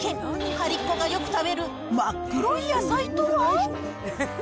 パリっ子がよく食べる真っ黒い野菜とは？